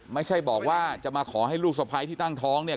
ไม่ใช่บอกว่าจะมาขอให้ลูกสะพ้ายที่ตั้งท้องเนี่ย